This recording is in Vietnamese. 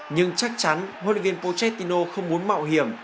nhưng chắc chắn huy viên pochettino không muốn mạo hiểm